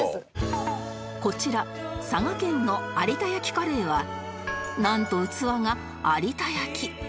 こちら佐賀県の有田焼カレーはなんと器が有田焼